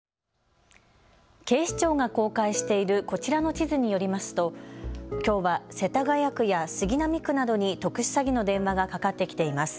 警視庁が公開しているこちらの地図によりますときょうは世田谷区や杉並区などに特殊詐欺の電話がかかってきています。